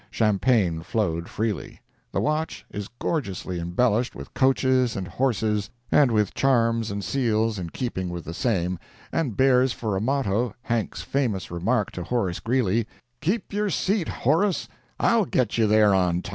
Champagne flowed freely. The watch is gorgeously embellished with coaches and horses, and with charms and seals in keeping with the same, and bears for a motto Hank's famous remark to Horace Greeley: "KEEP YOUR SEAT, HORACE—I'LL GET YOU THERE ON TIME!"